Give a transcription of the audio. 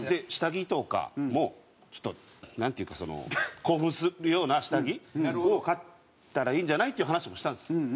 下着とかもちょっとなんていうかその興奮するような下着を買ったらいいんじゃない？っていう話もしたんですよ。